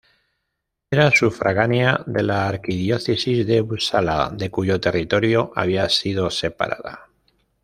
Era sufragánea de la arquidiócesis de Upsala, de cuyo territorio había sido separada.